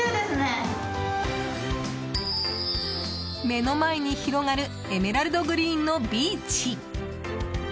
目の前に広がるエメラルドグリーンのビーチ！